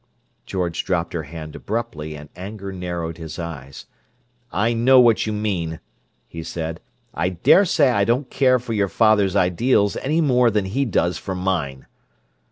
George dropped her hand abruptly and anger narrowed his eyes. "I know what you mean," he said. "I dare say I don't care for your father's ideals any more than he does for mine!"